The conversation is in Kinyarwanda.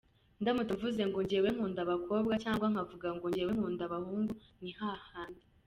Ndamutse mvuze ngo ‘njyewe nkunda abakobwa’, cyangwa nkavuga ngo ‘njyewe nkunda abahungu’ ni hahandi.